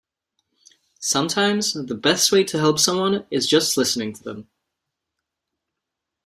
Sometimes the best way to help someone is just listening to them.